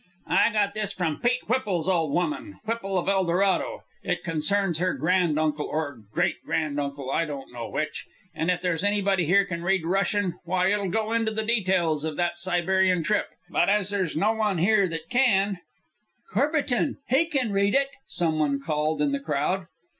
"I got this from Pete Whipple's old woman, Whipple of Eldorado. It concerns her grand uncle or great grand uncle, I don't know which; and if there's anybody here can read Russian, why, it'll go into the details of that Siberian trip. But as there's no one here that can " "Courbertin! He can read it!" some one called in the crowd.